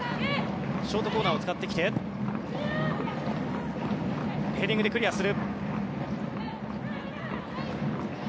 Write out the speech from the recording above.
ショートコーナーを使ってきてヘディングでクリアする。